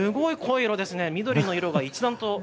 すごく濃い色ですね。